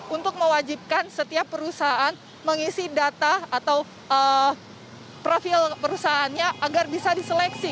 untuk mewajibkan setiap perusahaan mengisi data atau profil perusahaannya agar bisa diseleksi